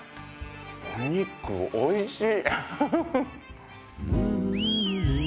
お肉おいしい！